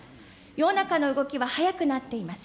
世の中の動きは速くなっています。